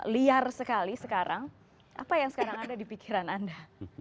liar sekali sekarang apa yang sekarang ada di pikiran anda